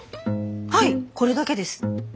はいこれだけです。